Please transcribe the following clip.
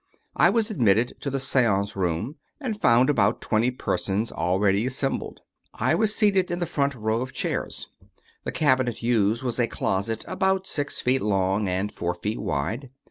I was admitted to the seance room and found about twenty persons already assem bled. I was seated in the front row of chairs. The cabinet used was a closet about six feet long and four feet wide.